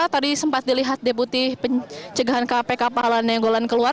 tadi sempat dilihat deputi pencegahan kpk pak halana nenggolan keluar